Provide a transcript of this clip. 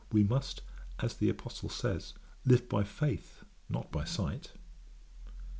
We must, as the Apostle says, live by faith, not by sight.'